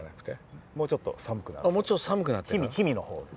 もうちょっと寒くなると氷見のほうで。